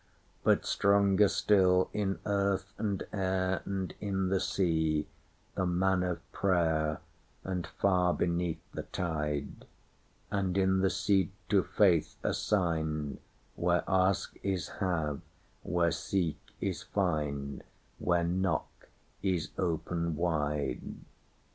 But stronger still in earth and air, And in the sea, the man of prayer, And far beneath the tide:And in the seat to faith assigned, Where ask is have, where seek is find, Where knock is open wide.